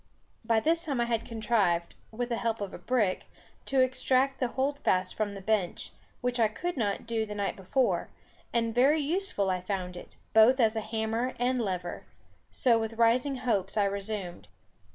By this time I had contrived, with the help of a brick, to extract the hold fast from the bench, which I could not do the night before; and very useful I found it, both as a hammer and lever. So with rising hopes, I resumed.